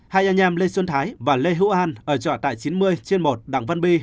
hai anh em lê xuân thái và lê hữu an ở trọ tại chín mươi trên một đặng văn b